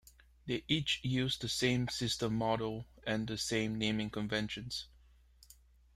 They each use the same system model and the same naming conventions.